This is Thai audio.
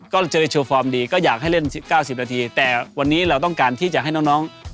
ก็จะดีก็อยากให้เล่นเก้าสิบนาทีแต่วันนี้เราต้องการที่จะให้น้องน้อง